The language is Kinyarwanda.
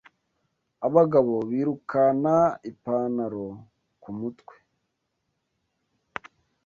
Abagabo birukana ipantaro ku mutwe